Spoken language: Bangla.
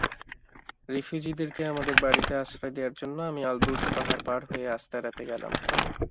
রিফিউজিদেরকে আমাদের বাড়িতে আশ্রয় দেয়ার জন্য আমি আলবুর্জ পাহাড় পার হয়ে আস্তারাতে গেলাম।